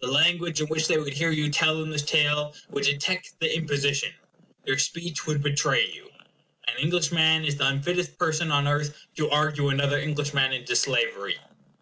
The language in which they would hear you tell them this tale would detect the imposition; your speech would betray you. An Englishman is the unfittest person on earth to argue another Englishman into slavery.